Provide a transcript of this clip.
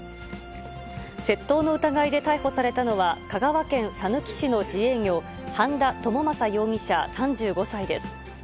窃盗の疑いで逮捕されたのは、香川県さぬき市の自営業、半田智将容疑者３５歳です。